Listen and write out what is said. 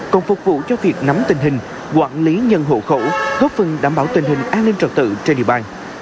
còn phục vụ cho việc nắm tình hình quản lý nhân hộ khẩu góp phần đảm bảo tình hình an ninh trật tự trên địa bàn